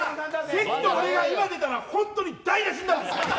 関と俺が今出たら本当に台無しになるぞ。